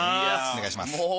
お願いします。